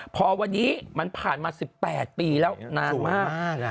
พอวันนี้มันผ่านมา๑๘ปีแล้วนานมาก